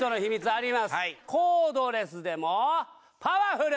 「コードレスでもパワフル」